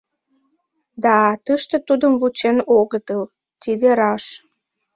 Да, тыште тудым вучен огытыл, тиде раш.